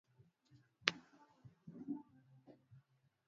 nukta tatu zimetumika kuboresha barabara na mitaa ya Manispaa ya Musoma